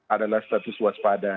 adalah status waspada